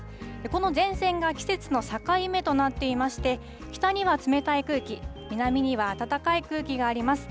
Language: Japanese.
この前線が季節の境目となっていまして、北には冷たい空気、南には暖かい空気があります。